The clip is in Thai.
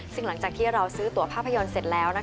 ซึ่งหลังจากที่เราซื้อตัวภาพยนตร์เสร็จแล้ว